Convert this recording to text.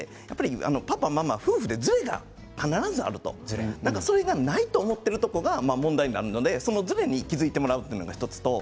パパ、ママは夫婦でずれが必ずあるとそれがないと思っているところが問題になるのでそのずれに気付いてもらうのが１つです。